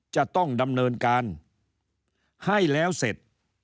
จะต้องดำเนินการให้แล้วเสร็จ